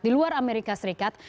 di luar amerika serikat